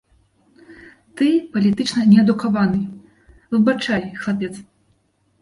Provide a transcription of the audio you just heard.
Ты палітычна неадукаваны, выбачай, хлапец.